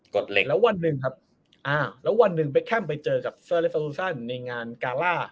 เหล็กแล้ววันหนึ่งครับอ่าแล้ววันหนึ่งเบคแคมไปเจอกับเซอร์เลฟาซูซันในงานกาล่า